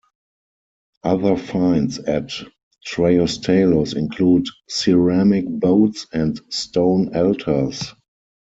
Other finds at Traostalos include ceramic boats and stone altars.